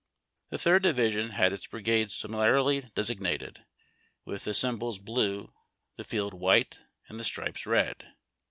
The third division had its brigades similarly designated, with the symbol bbie, the field white, and the stripes red.